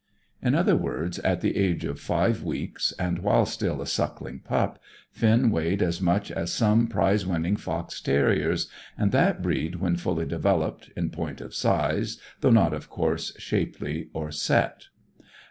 In other words, at the age of five weeks, and while still a suckling pup, Finn weighed as much as some prize winning fox terriers, and that breed when fully developed, in point of size, though not, of course, shapely or set.